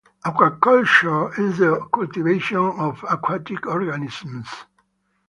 Aquaculture is the cultivation of aquatic organisms.